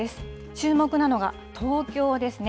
注目なのが東京ですね。